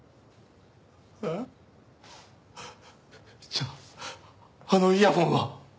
じゃああのイヤフォンは？